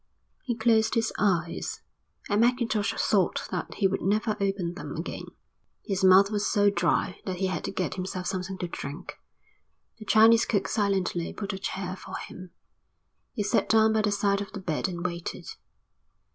He closed his eyes, and Mackintosh thought that he would never open them again. His mouth was so dry that he had to get himself something to drink. The Chinese cook silently put a chair for him. He sat down by the side of the bed and waited.